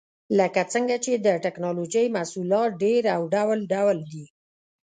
لکه څنګه چې د ټېکنالوجۍ محصولات ډېر او ډول ډول دي.